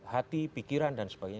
hati pikiran dan sebagainya